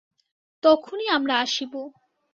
তখনি আমরা আসিব।